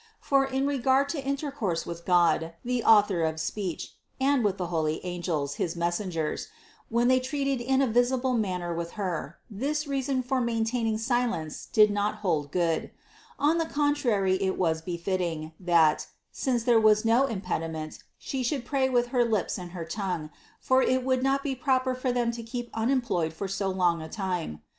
For in regard to intercourse with God, the Author of speech, and with the holy angels, his messen gers, when they treated in a visible manner with Her, this reason for maintaining silence did not hold good : on the contrary it was befitting, that, since there was no im pediment, She should pray with her lips and her tongue ; for it would not be proper to keep them unemployed for so long a time.